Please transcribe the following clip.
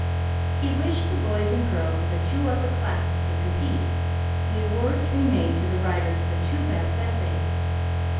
He wished the boys and girls of the two upper classes to compete; the award to be made to the writers of the two best essays.